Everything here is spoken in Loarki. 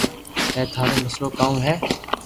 ھي ٿارو مسلئ ڪاو ھي